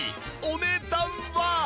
お値段は！？